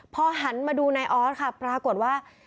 พอหันมาดูนายออสค่ะปรากฏว่า